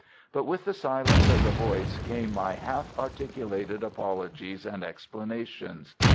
But with the silence of the voice came my half articulated apologies and explanations.